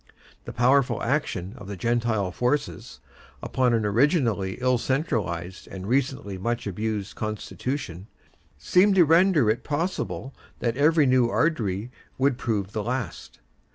The powerful action of the Gentile forces, upon an originally ill centralized and recently much abused Constitution, seemed to render it possible that every new Ard Righ would prove the last.